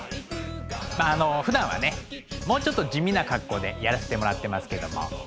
まああのふだんはねもうちょっと地味な格好でやらしてもらってますけれども。